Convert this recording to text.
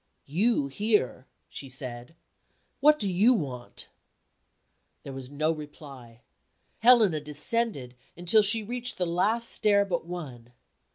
"You here?" she said. "What do you want?" There was no reply. Helena descended, until she reached the last stair but one.